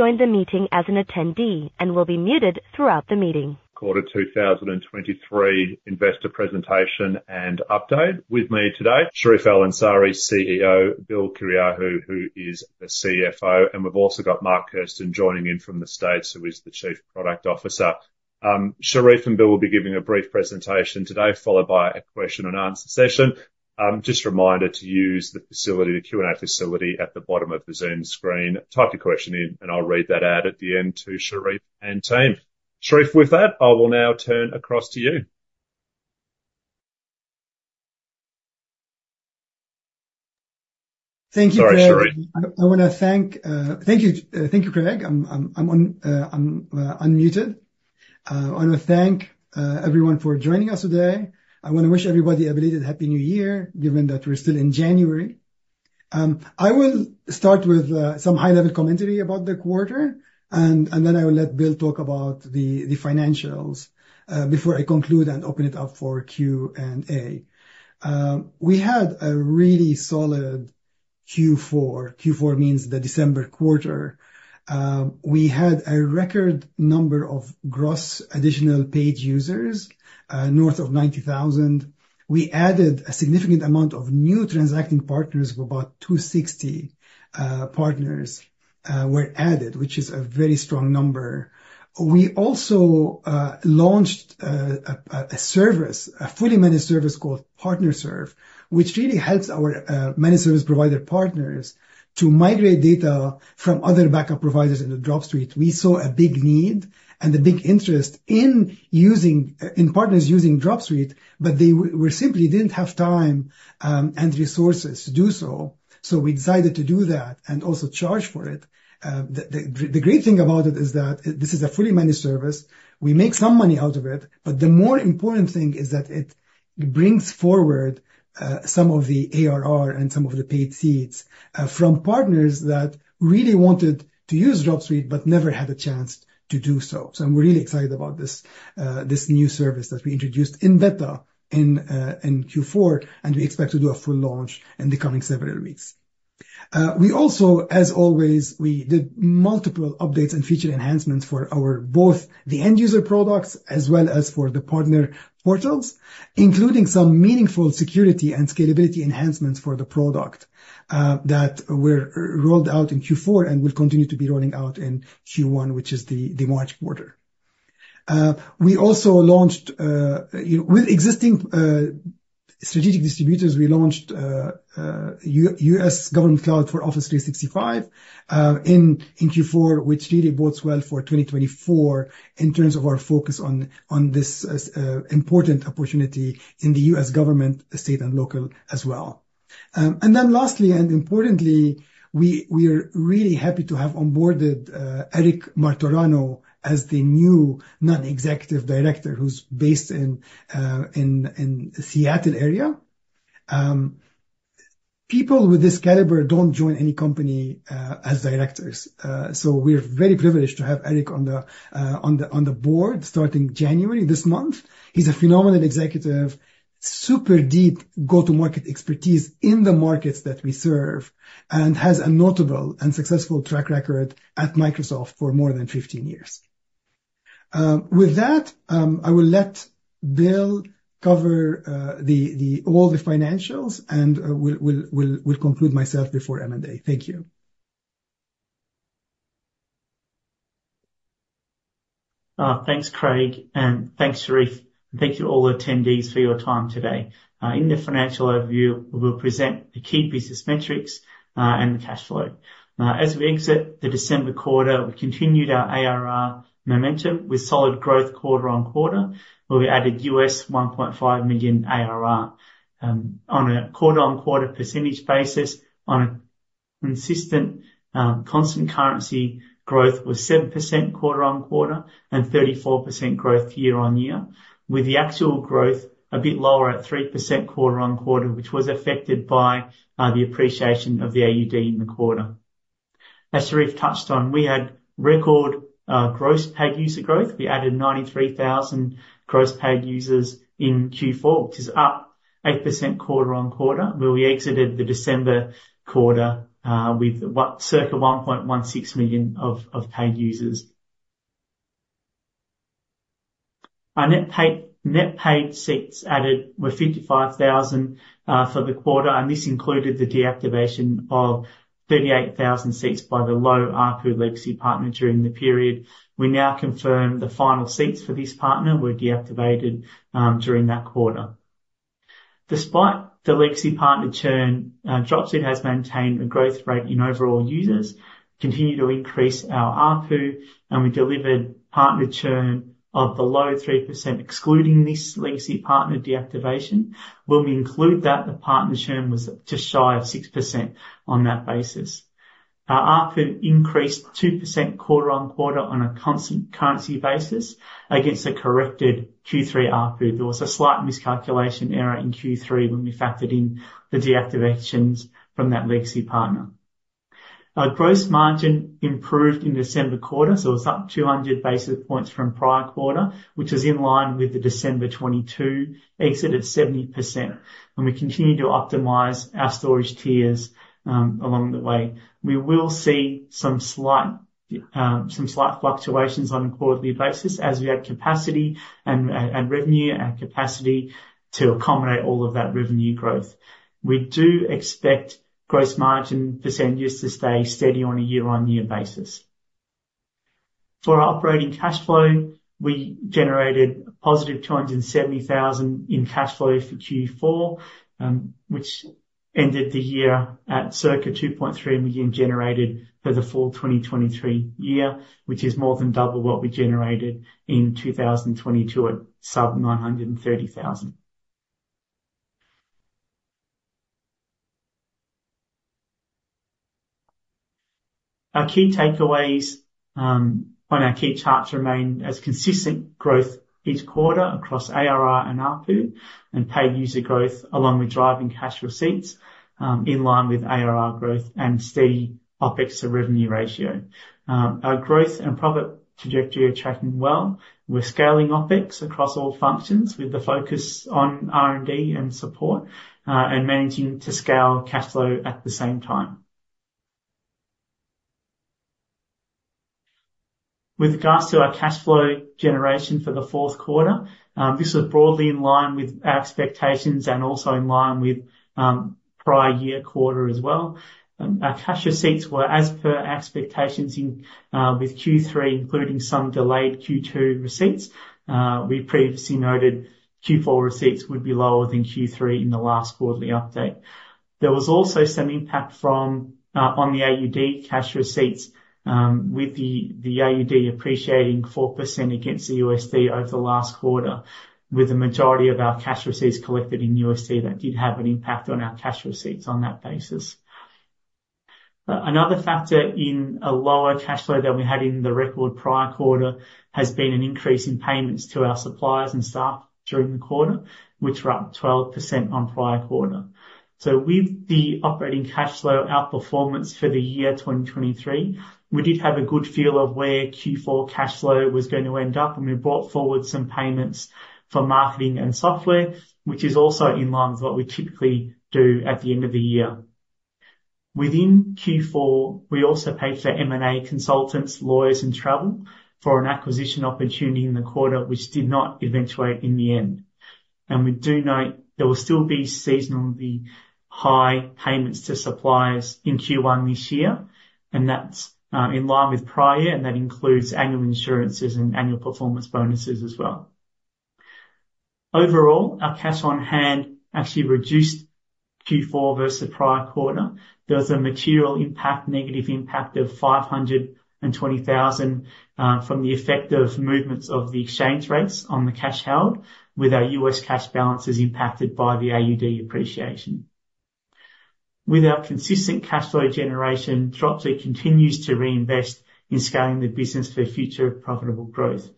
You have joined the meeting as an attendee and will be muted throughout the meeting. Quarter 2023 investor presentation and update. With me today, Charif El-Ansari, CEO, Bill Kyriacou, who is the CFO, and we've also got Mark Kirstein joining in from the States, who is the Chief Product Officer. Charif and Bill will be giving a brief presentation today, followed by a question and answer session. Just a reminder to use the facility, the Q&A facility at the bottom of the Zoom screen. Type your question in, and I'll read that out at the end to Charif and team. Charif, with that, I will now turn across to you. Thank you, Craig. Sorry, Charif. I wanna thank... Thank you, Craig. I'm unmuted. I wanna thank everyone for joining us today. I wanna wish everybody a belated Happy New Year, given that we're still in January. I will start with some high-level commentary about the quarter, and then I will let Bill talk about the financials before I conclude and open it up for Q&A. We had a really solid Q4. Q4 means the December quarter. We had a record number of gross additional paid users north of 90,000. We added a significant amount of new transacting partners of about 260 partners were added, which is a very strong number. We also launched a service, a fully managed service called Partner Serve, which really helps our managed service provider partners to migrate data from other backup providers into Dropsuite. We saw a big need and a big interest in partners using Dropsuite, but they well, simply didn't have time and resources to do so. So we decided to do that and also charge for it. The great thing about it is that this is a fully managed service. We make some money out of it, but the more important thing is that it brings forward some of the ARR and some of the paid seats from partners that really wanted to use Dropsuite, but never had a chance to do so. So I'm really excited about this new service that we introduced in beta in Q4, and we expect to do a full launch in the coming several weeks. We also, as always, we did multiple updates and feature enhancements for our both the end user products as well as for the partner portals, including some meaningful security and scalability enhancements for the product that were rolled out in Q4 and will continue to be rolling out in Q1, which is the March quarter. We also launched, you know, with existing strategic distributors, we launched U.S. Government Cloud for Office 365 in Q4, which really bodes well for 2024 in terms of our focus on this important opportunity in the U.S. government, state, and local as well. And then lastly, and importantly, we are really happy to have onboarded Eric Martorano as the new Non-Executive Director, who's based in the Seattle area. People with this caliber don't join any company as directors. So we're very privileged to have Eric on the board, starting January, this month. He's a phenomenal executive, super deep go-to-market expertise in the markets that we serve and has a notable and successful track record at Microsoft for more than 15 years. With that, I will let Bill cover all the financials, and will conclude myself before M&A. Thank you. Thanks, Craig, and thanks, Charif, and thank you all attendees for your time today. In the financial overview, we will present the key business metrics, and the cash flow. As we exit the December quarter, we continued our ARR momentum with solid growth quarter-on-quarter, where we added $1.5 million ARR. On a quarter-on-quarter percentage basis, on a consistent, constant currency, growth was 7% quarter-on-quarter, and 34% growth year-on-year, with the actual growth a bit lower at 3% quarter-on-quarter, which was affected by the appreciation of the AUD in the quarter. As Charif touched on, we had record gross paid user growth. We added 93,000 gross paid users in Q4, which is up 8% quarter on quarter, where we exited the December quarter with circa 1.16 million of paid users. Our net paid seats added were 55,000 for the quarter, and this included the deactivation of 38,000 seats by the low RPU legacy partner during the period. We now confirm the final seats for this partner were deactivated during that quarter. Despite the legacy partner churn, Dropsuite has maintained a growth rate in overall users, continued to increase our ARPU, and we delivered partner churn of below 3%, excluding this legacy partner deactivation. When we include that, the partner churn was just shy of 6% on that basis. Our ARPU increased 2% quarter-on-quarter on a constant currency basis against a corrected Q3 ARPU. There was a slight miscalculation error in Q3 when we factored in the deactivations from that legacy partner. Our gross margin improved in the December quarter, so it's up 200 basis points from prior quarter, which is in line with the December 2022 exit at 70%, and we continue to optimize our storage tiers along the way. We will see some slight fluctuations on a quarterly basis as we add capacity and, and revenue and capacity to accommodate all of that revenue growth. We do expect gross margin percentages to stay steady on a year-on-year basis. For our operating cash flow, we generated a +270,000 in cash flow for Q4, which ended the year at circa 2.3 million generated for the full 2023 year, which is more than double what we generated in 2022 at sub 930,000. Our key takeaways on our key charts remain as consistent growth each quarter across ARR and ARPU, and paid user growth, along with driving cash receipts in line with ARR growth and steady OpEx to revenue ratio. Our growth and profit trajectory are tracking well. We're scaling OpEx across all functions with the focus on R&D and support, and managing to scale cash flow at the same time. With regards to our cash flow generation for the fourth quarter, this was broadly in line with our expectations and also in line with prior year quarter as well. Our cash receipts were as per our expectations in with Q3, including some delayed Q2 receipts. We previously noted Q4 receipts would be lower than Q3 in the last quarterly update. There was also some impact from on the AUD cash receipts, with the AUD appreciating 4% against the USD over the last quarter, with the majority of our cash receipts collected in USD. That did have an impact on our cash receipts on that basis. Another factor in a lower cash flow than we had in the record prior quarter has been an increase in payments to our suppliers and staff during the quarter, which were up 12% on prior quarter. So with the operating cash flow outperformance for the year 2023, we did have a good feel of where Q4 cash flow was going to end up, and we brought forward some payments for marketing and software, which is also in line with what we typically do at the end of the year. Within Q4, we also paid for M&A consultants, lawyers, and travel for an acquisition opportunity in the quarter, which did not eventuate in the end. We do note there will still be seasonally high payments to suppliers in Q1 this year, and that's in line with prior year, and that includes annual insurances and annual performance bonuses as well. Overall, our cash on hand actually reduced Q4 versus the prior quarter. There was a material impact, negative impact of 520,000 from the effect of movements of the exchange rates on the cash held, with our U.S. cash balances impacted by the AUD appreciation. With our consistent cash flow generation, Dropsuite continues to reinvest in scaling the business for future profitable growth.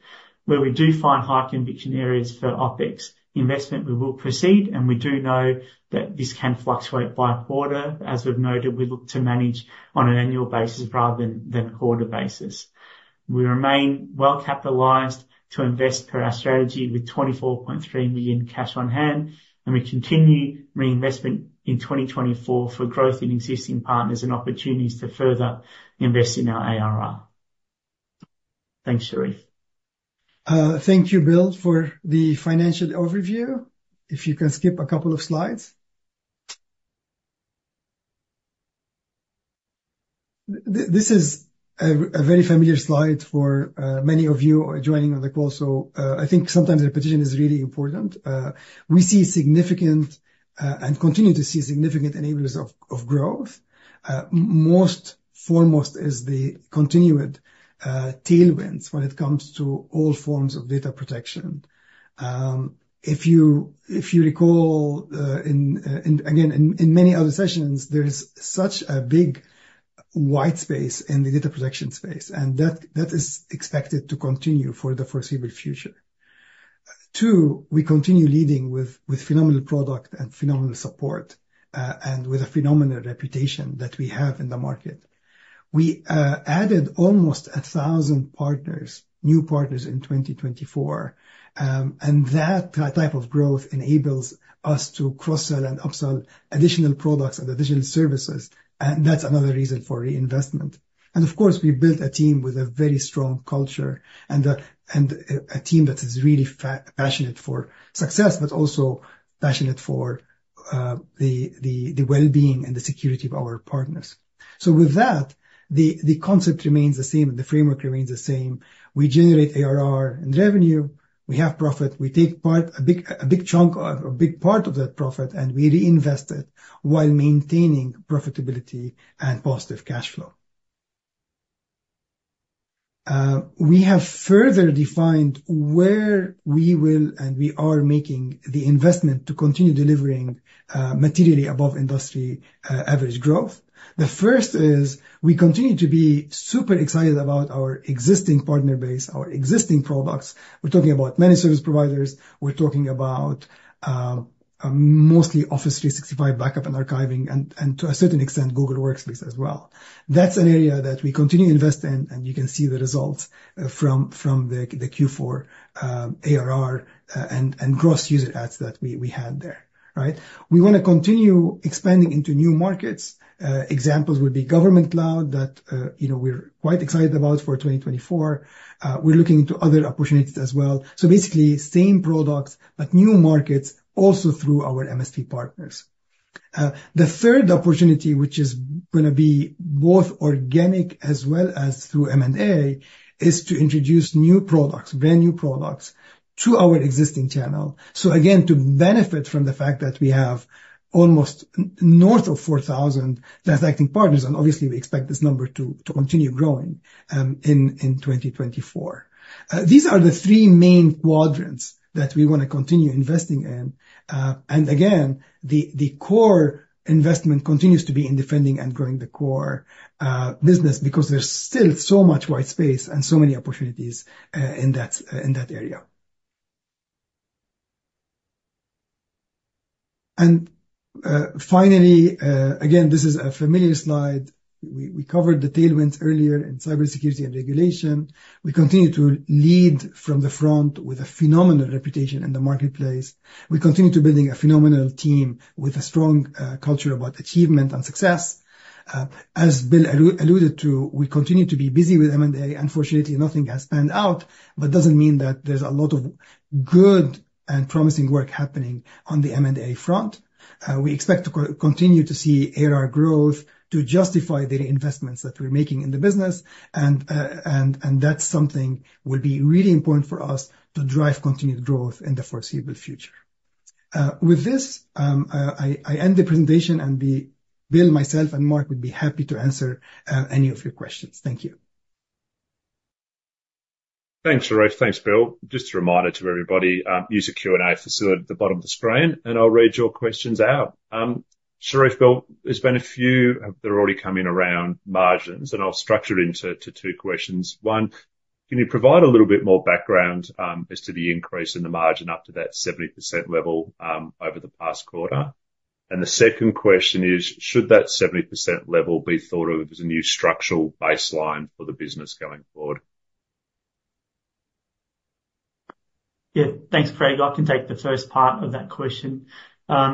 Where we do find high conviction areas for OpEx investment, we will proceed, and we do know that this can fluctuate by quarter. As we've noted, we look to manage on an annual basis rather than a quarter basis. We remain well capitalized to invest per our strategy with 24.3 million cash on hand, and we continue reinvestment in 2024 for growth in existing partners and opportunities to further invest in our ARR. Thanks, Charif. Thank you, Bill, for the financial overview. If you can skip a couple of slides. This is a very familiar slide for many of you joining on the call, so I think sometimes repetition is really important. We see significant and continue to see significant enablers of growth. Most foremost is the continued tailwinds when it comes to all forms of data protection. If you recall, in -- again, in many other sessions, there is such a big white space in the data protection space, and that is expected to continue for the foreseeable future. Two, we continue leading with phenomenal product and phenomenal support, and with a phenomenal reputation that we have in the market. We added almost 1,000 new partners in 2024. And that type of growth enables us to cross-sell and upsell additional products and additional services, and that's another reason for reinvestment. And of course, we built a team with a very strong culture and a team that is really passionate for success, but also passionate for the well-being and the security of our partners. So with that, the concept remains the same, the framework remains the same. We generate ARR and revenue, we have profit, we take a big chunk or a big part of that profit, and we reinvest it while maintaining profitability and positive cash flow. We have further defined where we will, and we are making the investment to continue delivering materially above industry average growth. The first is, we continue to be super excited about our existing partner base, our existing products. We're talking about many service providers. We're talking about mostly Microsoft 365 backup and archiving, and to a certain extent, Google Workspace as well. That's an area that we continue to invest in, and you can see the results from the Q4 ARR and gross user adds that we had there, right? We wanna continue expanding into new markets. Examples would be government cloud that you know we're quite excited about for 2024. We're looking into other opportunities as well. So basically, same products, but new markets also through our MSP partners. The third opportunity, which is gonna be both organic as well as through M&A, is to introduce new products, brand-new products to our existing channel. So again, to benefit from the fact that we have almost north of 4,000 transacting partners, and obviously we expect this number to continue growing in 2024. These are the three main quadrants that we wanna continue investing in. And again, the core investment continues to be in defending and growing the core business, because there's still so much white space and so many opportunities in that area. Finally, again, this is a familiar slide. We covered details earlier in cybersecurity and regulation. We continue to lead from the front with a phenomenal reputation in the marketplace. We continue building a phenomenal team with a strong culture about achievement and success. As Bill alluded to, we continue to be busy with M&A. Unfortunately, nothing has panned out, but doesn't mean that there's a lot of good and promising work happening on the M&A front. We expect to continue to see ARR growth to justify the investments that we're making in the business, and that's something that will be really important for us to drive continued growth in the foreseeable future. With this, I end the presentation, and Bill, myself, and Mark would be happy to answer any of your questions. Thank you. Thanks, Charif. Thanks, Bill. Just a reminder to everybody, use the Q&A facility at the bottom of the screen, and I'll read your questions out. Charif, Bill, there's been a few, they're already coming around margins, and I'll structure it into two questions. One, can you provide a little bit more background as to the increase in the margin up to that 70% level over the past quarter? And the second question is: Should that 70% level be thought of as a new structural baseline for the business going forward? Yeah. Thanks, Craig. I can take the first part of that question.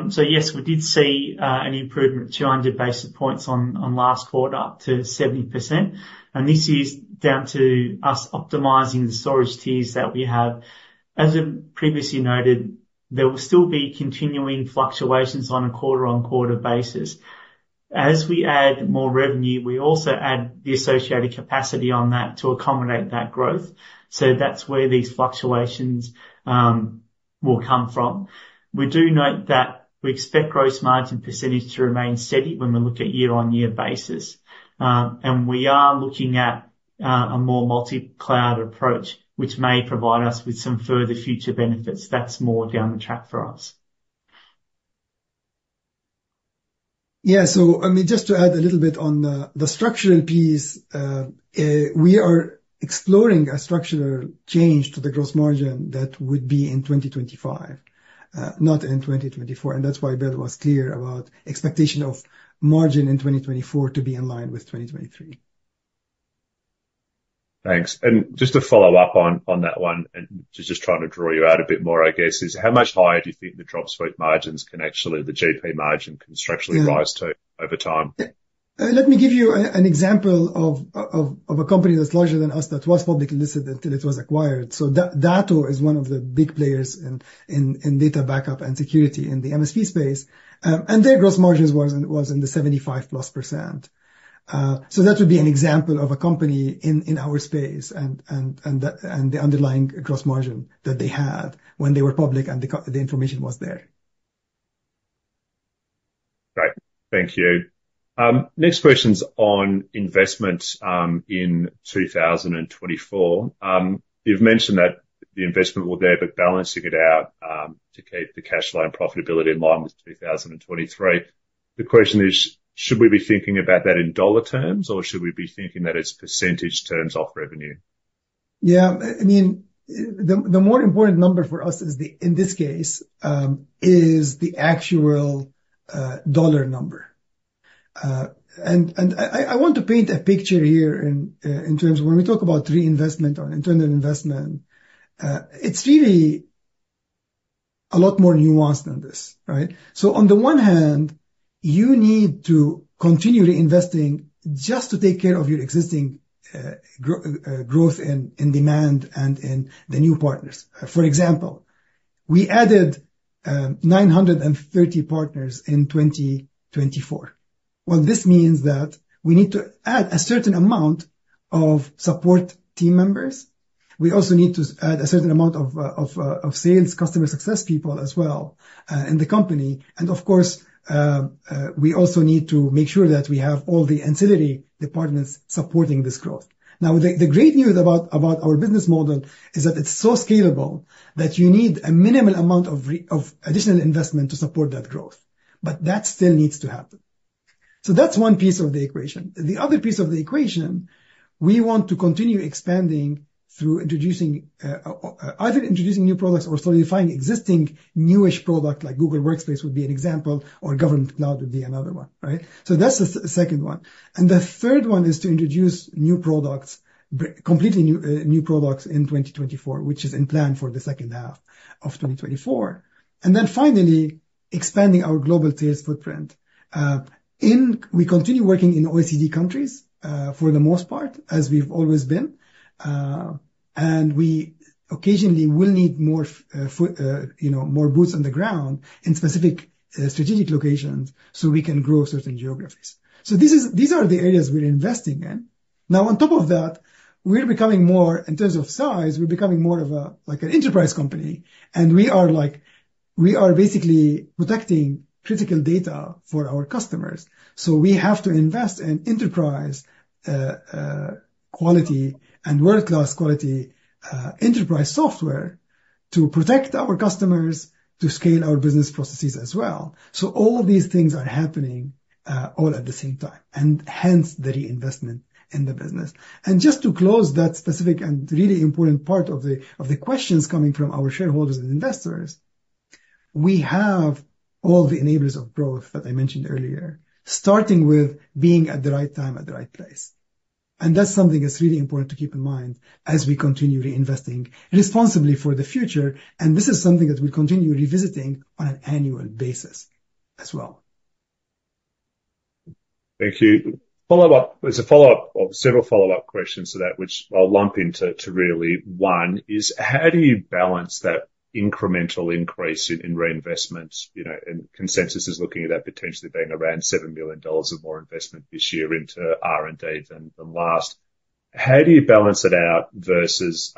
So yes, we did see, an improvement of 200 basis points on, on last quarter up to 70%, and this is down to us optimizing the storage tiers that we have. As I previously noted, there will still be continuing fluctuations on a quarter-on-quarter basis. As we add more revenue, we also add the associated capacity on that to accommodate that growth. So that's where these fluctuations, will come from. We do note that we expect gross margin percentage to remain steady when we look at year-on-year basis. And we are looking at, a more multi-cloud approach, which may provide us with some further future benefits. That's more down the track for us. Yeah. So I mean, just to add a little bit on, the structural piece, we are exploring a structural change to the gross margin that would be in 2025, not in 2024, and that's why Bill was clear about expectation of margin in 2024 to be in line with 2023. Thanks. Just to follow up on that one, and just trying to draw you out a bit more, I guess, is: How much higher do you think the Dropsuite margins can actually, the GP margin, can structurally rise to over time? Yeah. Let me give you an example of a company that's larger than us that was publicly listed until it was acquired. So Datto is one of the big players in data backup and security in the MSP space. And their gross margins was in the 75%+. So that would be an example of a company in our space and the underlying gross margin that they had when they were public, and the information was there. Great. Thank you. Next question's on investment in 2024. You've mentioned that the investment will there, but balancing it out to keep the cash flow and profitability in line with 2023. The question is: Should we be thinking about that in dollar terms, or should we be thinking that as percentage terms off revenue? Yeah. I mean, the more important number for us is, in this case, the actual dollar number. And I want to paint a picture here in terms of when we talk about reinvestment or internal investment. It's really a lot more nuanced than this, right? So on the one hand, you need to continue reinvesting just to take care of your existing growth in demand and in the new partners. For example, we added 930 partners in 2024. Well, this means that we need to add a certain amount of support team members. We also need to add a certain amount of sales, customer success people as well in the company. Of course, we also need to make sure that we have all the ancillary departments supporting this growth. Now, the great news about our business model is that it's so scalable that you need a minimal amount of additional investment to support that growth. But that still needs to happen. So that's one piece of the equation. The other piece of the equation, we want to continue expanding through introducing either new products or solidifying existing newish product, like Google Workspace would be an example, or Government Cloud would be another one, right? So that's the second one. And the third one is to introduce new products, completely new products in 2024, which is in plan for the second half of 2024. And then finally, expanding our global sales footprint. We continue working in OECD countries, for the most part, as we've always been. And we occasionally will need more, you know, more boots on the ground in specific strategic locations so we can grow certain geographies. So these are the areas we're investing in. Now, on top of that, we're becoming more, in terms of size, we're becoming more of a, like an enterprise company, and we are like, we are basically protecting critical data for our customers. So we have to invest in enterprise quality and world-class quality enterprise software to protect our customers, to scale our business processes as well. So all of these things are happening all at the same time, and hence the reinvestment in the business. Just to close that specific and really important part of the questions coming from our shareholders and investors, we have all the enablers of growth that I mentioned earlier, starting with being at the right time, at the right place. That's something that's really important to keep in mind as we continue reinvesting responsibly for the future, and this is something that we continue revisiting on an annual basis as well. Thank you. Follow-up. There's a follow-up or several follow-up questions to that, which I'll lump into, to really one, is: How do you balance that incremental increase in reinvestment? You know, and consensus is looking at that potentially being around 7 million dollars of more investment this year into R&D than last. How do you balance it out versus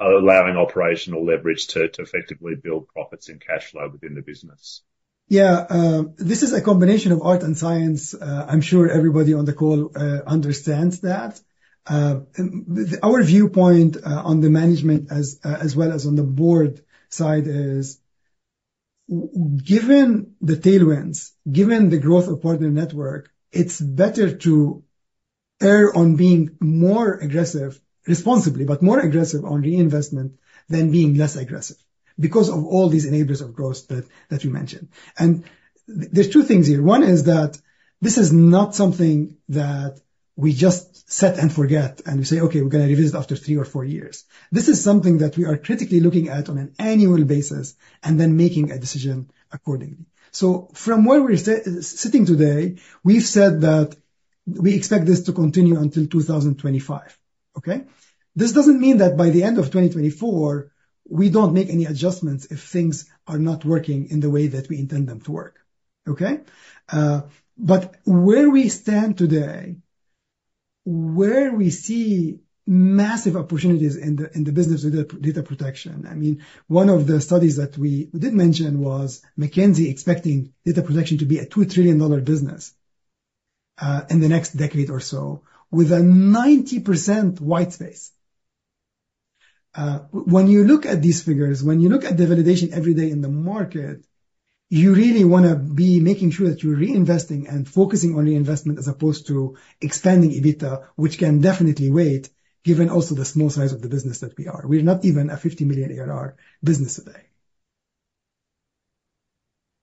allowing operational leverage to effectively build profits and cash flow within the business? Yeah, this is a combination of art and science. I'm sure everybody on the call understands that. And our viewpoint on the management as well as on the board side is given the tailwinds, given the growth of partner network, it's better to err on being more aggressive, responsibly, but more aggressive on reinvestment than being less aggressive because of all these enablers of growth that you mentioned. And there's two things here. One is that this is not something that we just set and forget, and we say, "Okay, we're gonna revisit after three or four years." This is something that we are critically looking at on an annual basis and then making a decision accordingly. So from where we're sitting today, we've said that we expect this to continue until 2025. Okay? This doesn't mean that by the end of 2024, we don't make any adjustments if things are not working in the way that we intend them to work. Okay? But where we stand today, where we see massive opportunities in the business of data, data protection. I mean, one of the studies that we didn't mention was McKinsey expecting data protection to be a 2 trillion dollar business in the next decade or so, with a 90% white space. When you look at these figures, when you look at the validation every day in the market, you really wanna be making sure that you're reinvesting and focusing on reinvestment as opposed to expanding EBITDA, which can definitely wait, given also the small size of the business that we are. We're not even a 50 million ARR business today.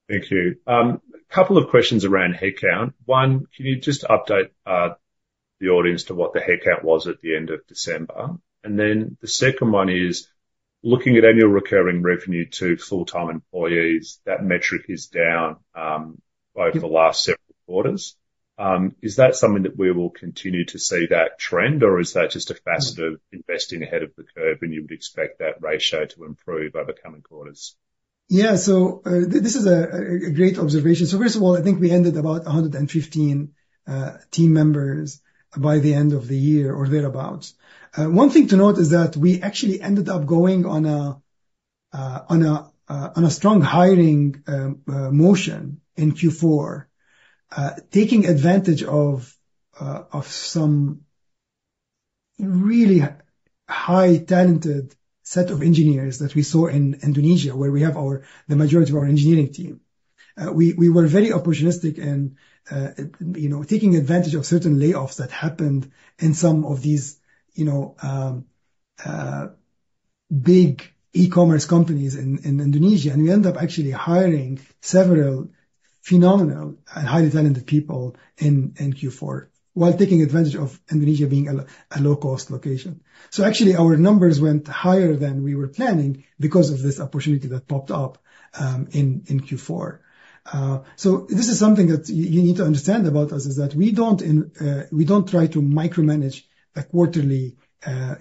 Thank you. A couple of questions around headcount. One, can you just update the audience to what the headcount was at the end of December? And then the second one is: looking at annual recurring revenue to full-time employees, that metric is down over the last several quarters. Is that something that we will continue to see that trend, or is that just a facet of investing ahead of the curve, and you would expect that ratio to improve over coming quarters? Yeah. So, this is a great observation. So first of all, I think we ended about 115 team members by the end of the year or thereabout. One thing to note is that we actually ended up going on a strong hiring motion in Q4, taking advantage of some really high talented set of engineers that we saw in Indonesia, where we have the majority of our engineering team. We were very opportunistic and, you know, taking advantage of certain layoffs that happened in some of these, you know, big e-commerce companies in Indonesia, and we end up actually hiring several phenomenal and highly talented people in Q4 while taking advantage of Indonesia being a low-cost location. So actually, our numbers went higher than we were planning because of this opportunity that popped up in Q4. So this is something that you need to understand about us, is that we don't try to micromanage a quarterly,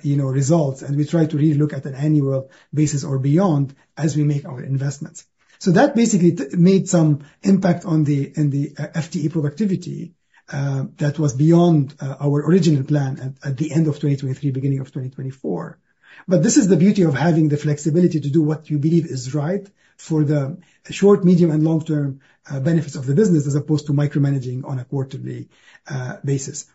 you know, results, and we try to really look at an annual basis or beyond as we make our investments. So that basically made some impact on the FTE productivity that was beyond our original plan at the end of 2023, beginning of 2024. But this is the beauty of having the flexibility to do what you believe is right for the short, medium, and long-term benefits of the business, as opposed to micromanaging on a quarterly basis.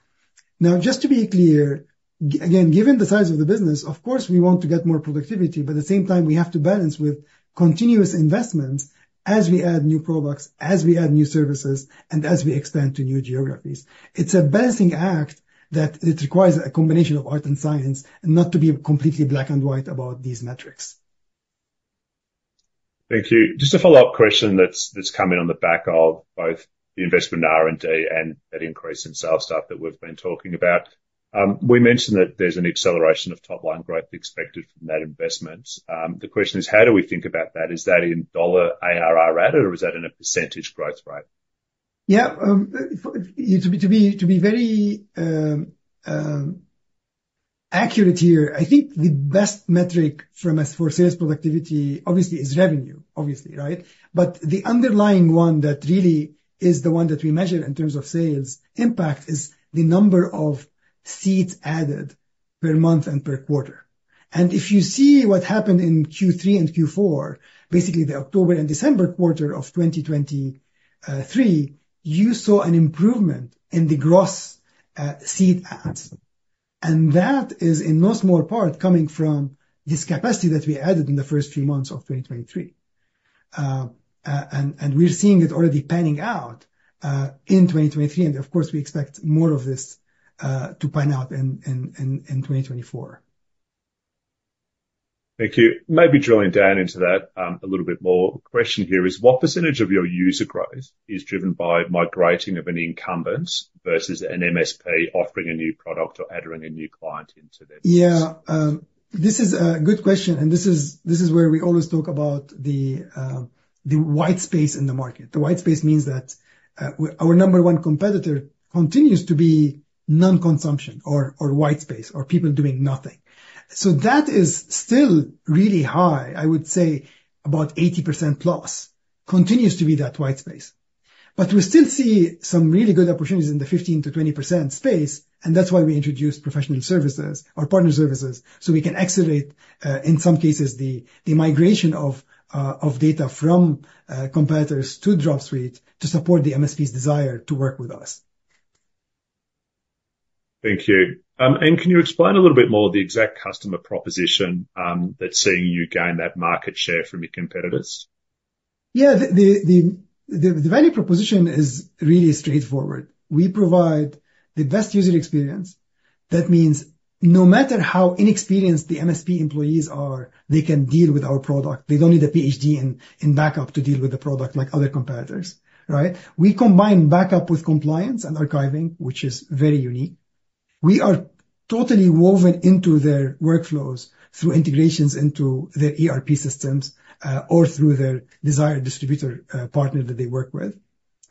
Now, just to be clear, again, given the size of the business, of course, we want to get more productivity, but at the same time, we have to balance with continuous investments as we add new products, as we add new services, and as we expand to new geographies. It's a balancing act that it requires a combination of art and science and not to be completely black and white about these metrics. Thank you. Just a follow-up question that's, that's coming on the back of both the investment in R&D and that increase in sales staff that we've been talking about. We mentioned that there's an acceleration of top-line growth expected from that investment. The question is: How do we think about that? Is that in dollar ARR rate, or is that in a percentage growth rate? Yeah, to be very accurate here, I think the best metric from us for sales productivity obviously is revenue, obviously, right? But the underlying one that really is the one that we measure in terms of sales impact is the number of seats added per month and per quarter. And if you see what happened in Q3 and Q4, basically the October and December quarter of 2023, you saw an improvement in the gross seat adds, and that is in no small part coming from this capacity that we added in the first few months of 2023. And we're seeing it already panning out in 2023, and of course, we expect more of this to pan out in 2024. Thank you. Maybe drilling down into that, a little bit more. The question here is: What percentage of your user growth is driven by migrating of an incumbent versus an MSP offering a new product or adding a new client into their system? Yeah, this is a good question, and this is, this is where we always talk about the, the white space in the market. The white space means that, our number one competitor continues to be non-consumption or, or white space or people doing nothing. So that is still really high. I would say about 80%+ continues to be that white space. But we still see some really good opportunities in the 15%-20% space, and that's why we introduced professional services or partner services, so we can accelerate, in some cases, the, the migration of, of data from, competitors to Dropsuite to support the MSP's desire to work with us. Thank you. Can you explain a little bit more the exact customer proposition, that's seeing you gain that market share from your competitors? Yeah, the value proposition is really straightforward. We provide the best user experience. That means no matter how inexperienced the MSP employees are, they can deal with our product. They don't need a PhD in backup to deal with the product like other competitors, right? We combine backup with compliance and archiving, which is very unique. We are totally woven into their workflows through integrations into their ERP systems or through their desired distributor partner that they work with.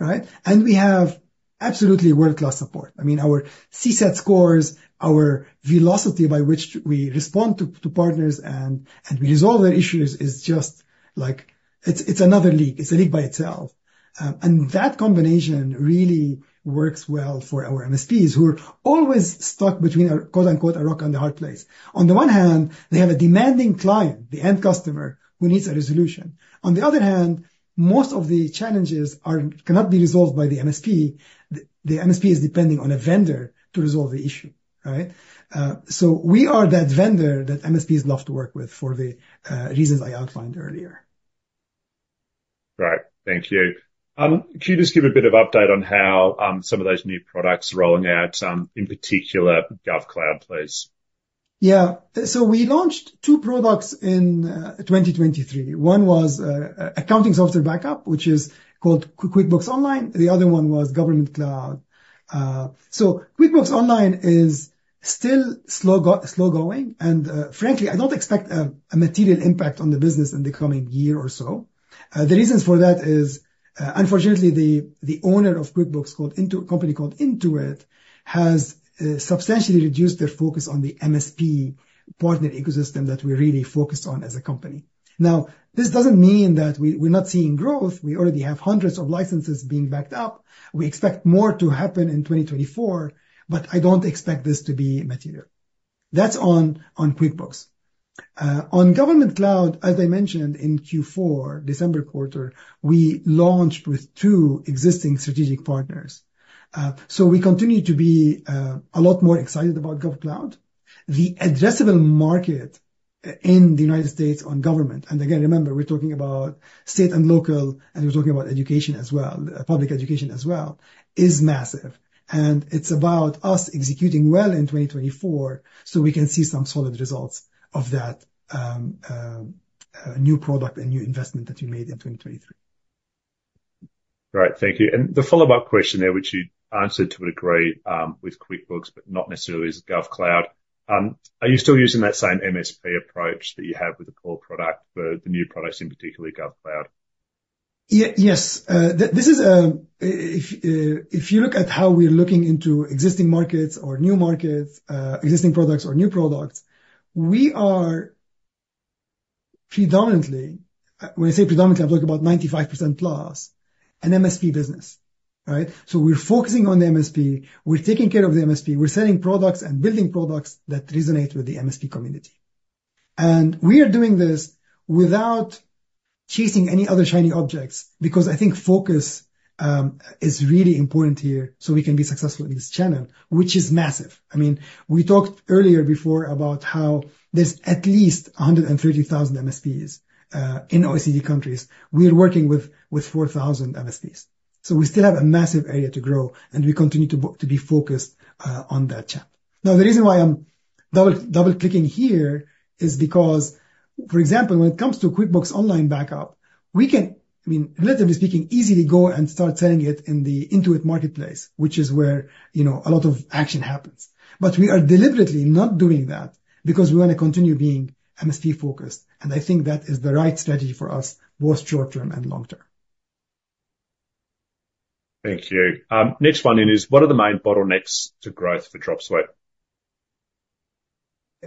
Right? And we have absolutely world-class support. I mean, our CSAT scores, our velocity by which we respond to partners and we resolve their issues is just like... It's another league. It's a league by itself. And that combination really works well for our MSPs, who are always stuck between “a rock and a hard place.” On the one hand, they have a demanding client, the end customer, who needs a resolution. On the other hand, most of the challenges cannot be resolved by the MSP. The MSP is depending on a vendor to resolve the issue, all right? So we are that vendor that MSPs love to work with for the reasons I outlined earlier. Great. Thank you. Could you just give a bit of update on how, some of those new products are rolling out, in particular GovCloud, please? Yeah. So we launched two products in 2023. One was accounting software backup, which is called QuickBooks Online, the other one was Government Cloud. So QuickBooks Online is still slow going, and frankly, I don't expect a material impact on the business in the coming year or so. The reasons for that is, unfortunately, the owner of QuickBooks, company called Intuit, has substantially reduced their focus on the MSP partner ecosystem that we're really focused on as a company. Now, this doesn't mean that we're not seeing growth. We already have hundreds of licenses being backed up. We expect more to happen in 2024, but I don't expect this to be material. That's on QuickBooks. On Government Cloud, as I mentioned, in Q4, December quarter, we launched with two existing strategic partners. So we continue to be a lot more excited about GovCloud. The addressable market in the United States on government, and again, remember, we're talking about state and local, and we're talking about education as well, public education as well, is massive, and it's about us executing well in 2024, so we can see some solid results of that, new product and new investment that we made in 2023. Great. Thank you. And the follow-up question there, which you answered to a degree, with QuickBooks, but not necessarily is GovCloud. Are you still using that same MSP approach that you have with the core product for the new products, in particular, GovCloud? Yes. If you look at how we're looking into existing markets or new markets, existing products or new products, we are predominantly, when I say predominantly, I'm talking about 95%+ an MSP business, right? So we're focusing on the MSP, we're taking care of the MSP, we're selling products and building products that resonate with the MSP community. And we are doing this without chasing any other shiny objects, because I think focus is really important here, so we can be successful in this channel, which is massive. I mean, we talked earlier before about how there's at least 130,000 MSPs in OECD countries. We are working with 4,000 MSPs, so we still have a massive area to grow, and we continue to be focused on that channel. Now, the reason why I'm double-clicking here is because, for example, when it comes to QuickBooks Online backup, we can, I mean, relatively speaking, easily go and start selling it in the Intuit marketplace, which is where, you know, a lot of action happens. But we are deliberately not doing that because we want to continue being MSP-focused, and I think that is the right strategy for us, both short term and long term. Thank you. Next one then is: What are the main bottlenecks to growth for Dropsuite?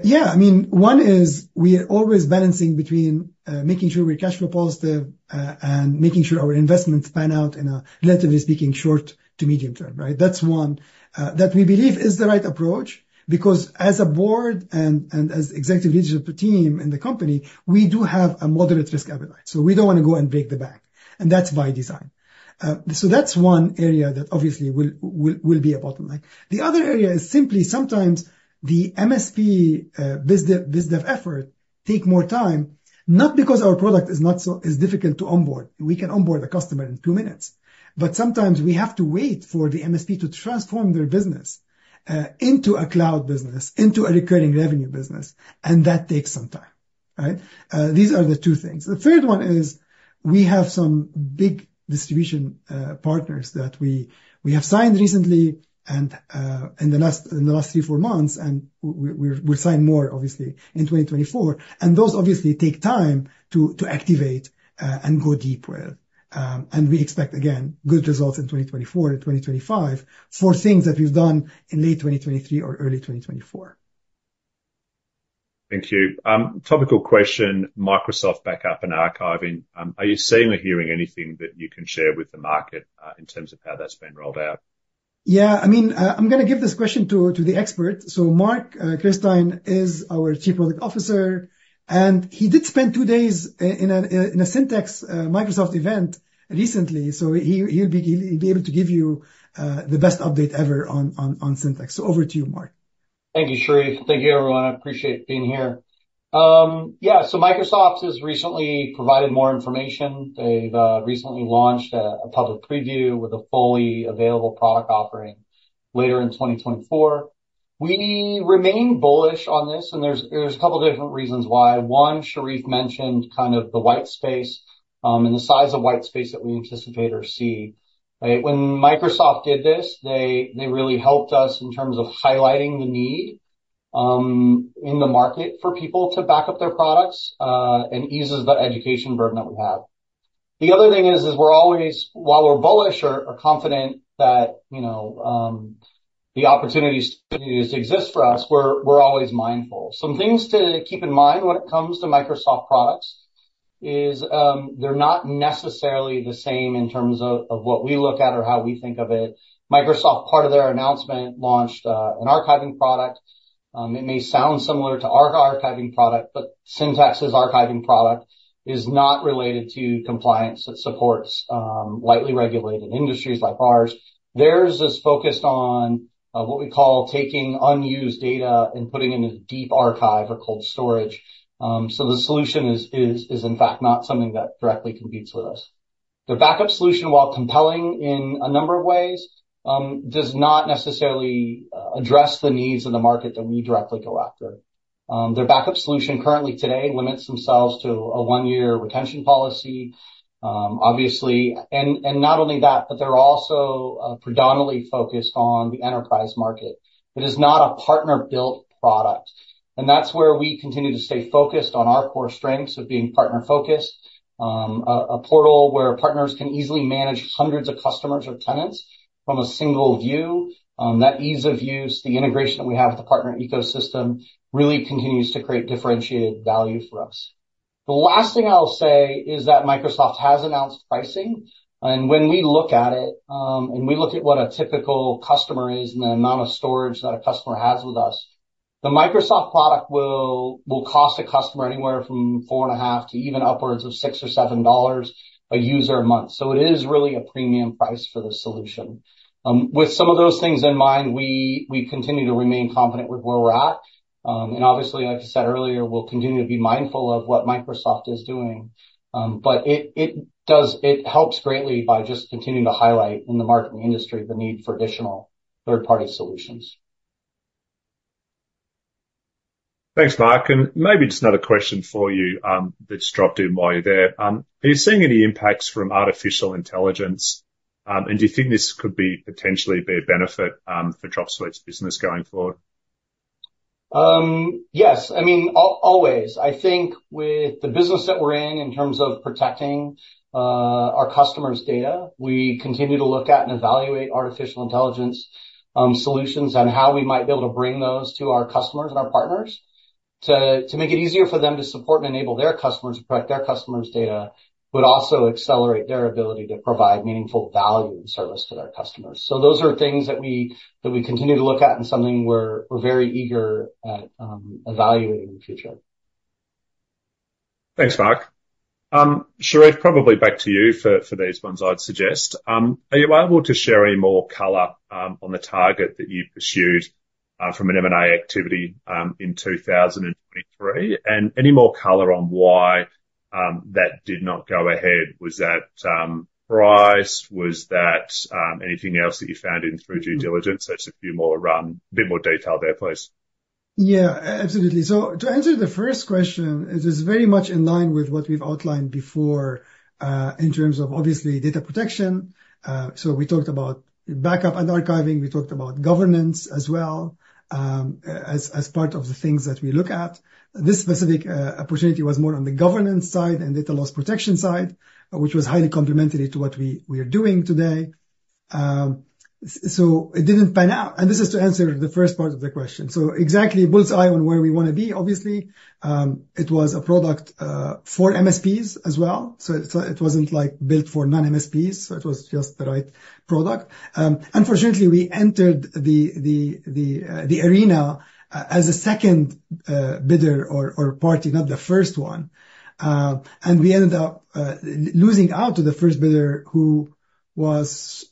Yeah. I mean, one is we are always balancing between making sure we're cash flow positive and making sure our investments pan out in a, relatively speaking, short to medium term, right? That's one that we believe is the right approach because as a board and as executive leadership team in the company, we do have a moderate risk appetite, so we don't want to go and break the bank, and that's by design. So that's one area that obviously will be a bottleneck. The other area is simply sometimes the MSP biz dev effort take more time, not because our product is not so... is difficult to onboard. We can onboard a customer in two minutes. But sometimes we have to wait for the MSP to transform their business into a cloud business, into a recurring revenue business, and that takes some time, right? These are the two things. The third one is we have some big distribution partners that we have signed recently, and in the last 3-4 months, and we signed more, obviously, in 2024, and those obviously take time to activate and go deep with. And we expect, again, good results in 2024-2025 for things that we've done in late 2023 or early 2024. Thank you. Topical question, Microsoft backup and archiving. Are you seeing or hearing anything that you can share with the market, in terms of how that's been rolled out? Yeah. I mean, I'm gonna give this question to, to the expert. So Mark Kirstein is our Chief Product Officer, and he did spend two days in a Syntex, Microsoft event recently, so he, he'll be, he'll be able to give you, the best update ever on, on, on Syntex. So over to you, Mark. Thank you, Charif. Thank you, everyone. I appreciate being here. Yeah, so Microsoft has recently provided more information. They've recently launched a public preview with a fully available product offering later in 2024. We remain bullish on this, and there's a couple different reasons why. One, Charif mentioned kind of the white space and the size of white space that we anticipate or see, right? When Microsoft did this, they really helped us in terms of highlighting the need in the market for people to back up their products and eases the education burden that we have. The other thing is we're always... while we're bullish or confident that, you know, the opportunities exist for us, we're always mindful. Some things to keep in mind when it comes to Microsoft products is, they're not necessarily the same in terms of what we look at or how we think of it. Microsoft, part of their announcement, launched an archiving product. It may sound similar to our archiving product, but Syntex's archiving product is not related to compliance that supports lightly regulated industries like ours. Theirs is focused on what we call taking unused data and putting it in a deep archive or cold storage. So the solution is in fact not something that directly competes with us. Their backup solution, while compelling in a number of ways, does not necessarily address the needs of the market that we directly go after. Their backup solution currently today limits themselves to a one-year retention policy, obviously, and, and not only that, but they're also predominantly focused on the enterprise market. It is not a partner-built product, and that's where we continue to stay focused on our core strengths of being partner-focused. A portal where partners can easily manage hundreds of customers or tenants from a single view. That ease of use, the integration that we have with the partner ecosystem, really continues to create differentiated value for us. The last thing I'll say is that Microsoft has announced pricing, and when we look at it, and we look at what a typical customer is and the amount of storage that a customer has with us, the Microsoft product will cost a customer anywhere from 4.5 to even upwards of 6 or 7 dollars a user a month. So it is really a premium price for the solution. With some of those things in mind, we continue to remain confident with where we're at. And obviously, like I said earlier, we'll continue to be mindful of what Microsoft is doing. But it does, it helps greatly by just continuing to highlight in the market and the industry the need for additional third-party solutions. Thanks, Mark, and maybe just another question for you, that just dropped in while you're there. Are you seeing any impacts from artificial intelligence? Do you think this could be potentially be a benefit for Dropsuite's business going forward? Yes. I mean, always. I think with the business that we're in, in terms of protecting our customers' data, we continue to look at and evaluate artificial intelligence solutions on how we might be able to bring those to our customers and our partners to make it easier for them to support and enable their customers to protect their customers' data, but also accelerate their ability to provide meaningful value and service to their customers. So those are things that we, that we continue to look at and something we're, we're very eager at evaluating in the future.... Thanks, Mark. Charif, probably back to you for these ones, I'd suggest. Are you able to share any more color on the target that you pursued from an M&A activity in 2023? And any more color on why that did not go ahead. Was that price? Was that anything else that you found in through due diligence? Just a few more, a bit more detail there, please. Yeah, absolutely. So to answer the first question, it is very much in line with what we've outlined before, in terms of obviously data protection. So we talked about backup and archiving. We talked about governance as well, as part of the things that we look at. This specific opportunity was more on the governance side and data loss protection side, which was highly complementary to what we are doing today. So it didn't pan out, and this is to answer the first part of the question. So exactly bull's-eye on where we wanna be, obviously. It was a product for MSPs as well, so it wasn't like built for non-MSPs, so it was just the right product. Unfortunately, we entered the arena as a second bidder or party, not the first one. And we ended up losing out to the first bidder, who was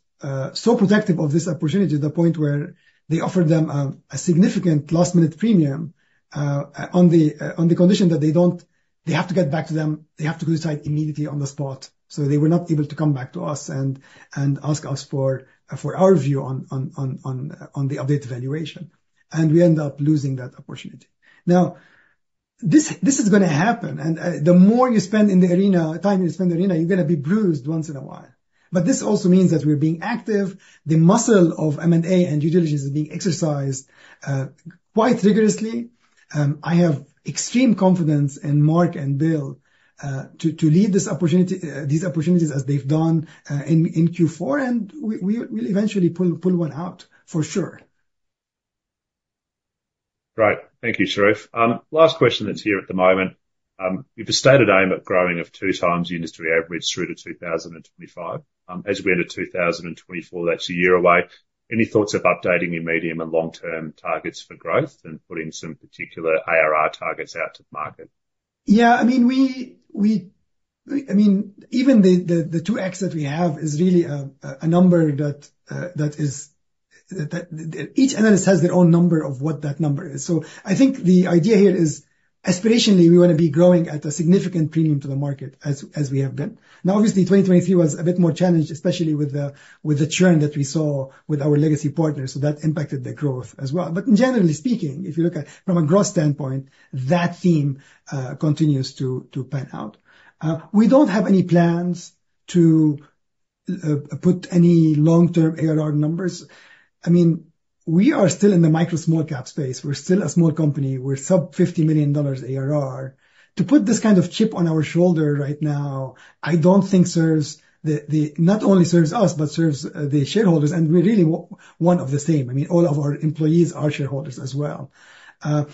so protective of this opportunity, to the point where they offered them a significant last-minute premium on the condition that they don't... They have to get back to them, they have to decide immediately on the spot, so they were not able to come back to us and ask us for our view on the updated valuation, and we end up losing that opportunity. Now, this is gonna happen, and the more time you spend in the arena, you're gonna be bruised once in a while. But this also means that we're being active. The muscle of M&A and due diligence is being exercised quite rigorously. I have extreme confidence in Mark and Bill to lead this opportunity, these opportunities as they've done in Q4, and we'll eventually pull one out for sure. Great. Thank you, Charif. Last question that's here at the moment. You've stated aim at growing of 2x the industry average through to 2025. As we enter 2024, that's a year away, any thoughts of updating your medium and long-term targets for growth and putting some particular ARR targets out to the market? Yeah, I mean, we... I mean, even the 2x that we have is really a number that, that is, that each analyst has their own number of what that number is. So I think the idea here is aspirationally, we wanna be growing at a significant premium to the market as we have been. Now, obviously, 2023 was a bit more challenged, especially with the churn that we saw with our legacy partners, so that impacted the growth as well. But generally speaking, if you look at from a growth standpoint, that theme continues to pan out. We don't have any plans to put any long-term ARR numbers. I mean, we are still in the micro small cap space. We're still a small company. We're sub 50 million dollars ARR. To put this kind of chip on our shoulder right now, I don't think serves the not only serves us, but serves the shareholders, and we're really one of the same. I mean, all of our employees are shareholders as well.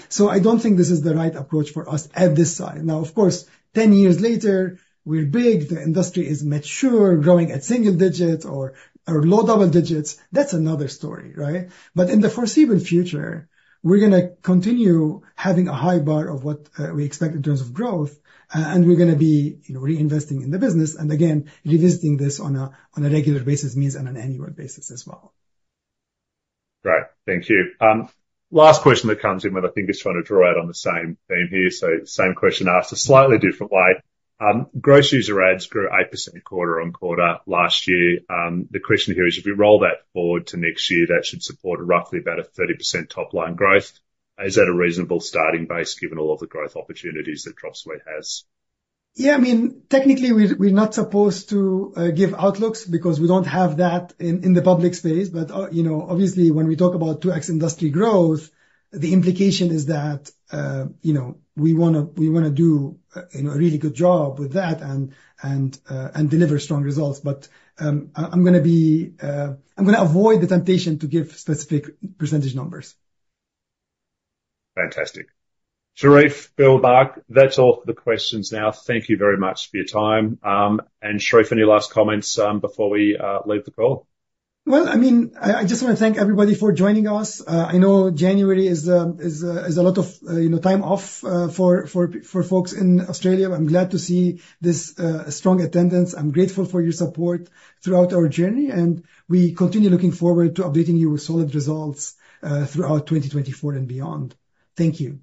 So I don't think this is the right approach for us at this time. Now, of course, 10 years later, we're big, the industry is mature, growing at single digits or low double digits. That's another story, right? But in the foreseeable future, we're gonna continue having a high bar of what we expect in terms of growth, and we're gonna be, you know, reinvesting in the business and again, revisiting this on a regular basis, means on an annual basis as well. Great, thank you. Last question that comes in, and I think it's trying to draw out on the same theme here, so same question asked a slightly different way. Gross user ads grew 8% quarter-on-quarter last year. The question here is: If we roll that forward to next year, that should support roughly about a 30% top-line growth. Is that a reasonable starting base, given all of the growth opportunities that Dropsuite has? Yeah, I mean, technically, we, we're not supposed to give outlooks because we don't have that in the public space. But, you know, obviously, when we talk about 2x industry growth, the implication is that, you know, we wanna, we wanna do a really good job with that and, and and deliver strong results. But, I, I'm gonna be, I'm gonna avoid the temptation to give specific percentage numbers. Fantastic. Charif, Bill, Mark, that's all for the questions now. Thank you very much for your time. Charif, any last comments before we leave the call? Well, I mean, I just wanna thank everybody for joining us. I know January is a lot of, you know, time off for folks in Australia. I'm glad to see this strong attendance. I'm grateful for your support throughout our journey, and we continue looking forward to updating you with solid results throughout 2024 and beyond. Thank you.